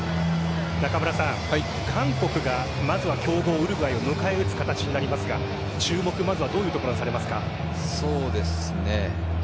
中村さん、韓国がまずは強豪・ウルグアイを迎え撃つ形になりますが注目、どういうところにされますか？